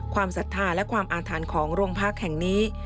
ความศรัทธาและความอาธรรณของลวงพักษ์